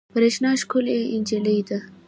برېښنا ښکلې انجلۍ ده